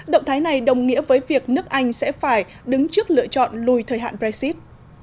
động thái này đồng nghĩa với việc nước anh sẽ phải đứng trước lựa chọn lùi thời hạn brexit